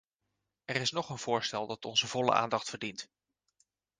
Er is nog een voorstel dat onze volle aandacht verdient.